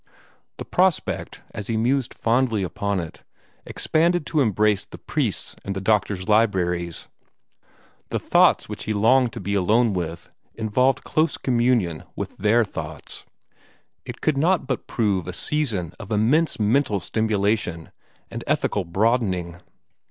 The prospect, as he mused fondly upon it, expanded to embrace the priest's and the doctor's libraries; the thoughts which he longed to be alone with involved close communion with their thoughts. It could not but prove a season of immense mental stimulation and ethical broadening.